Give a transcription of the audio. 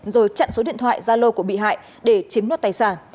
rồi chặn số điện thoại zalo của bị hại để chiếm đoạt tài sản